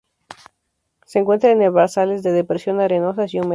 Se encuentra en herbazales de depresiones arenosas y húmedas.